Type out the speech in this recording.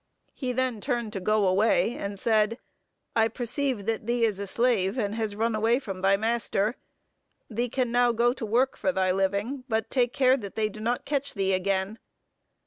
He then turned to go away, and said, "I perceive that thee is a slave, and has run away from thy master. Thee can now go to work for thy living; but take care that they do not catch thee again."